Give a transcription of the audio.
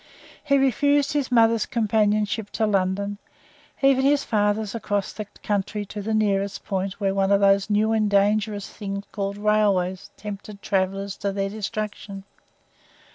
He refused his mother's companionship to London, even his father's across the country to the nearest point where one of those new and dangerous things called railways tempted travellers to their destruction.